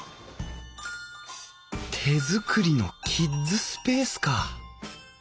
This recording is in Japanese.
手作りのキッズスペースか。